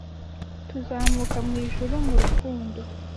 tuzamuka mu ijuru mu rukundo